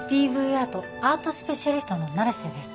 アートアートスペシャリストの成瀬です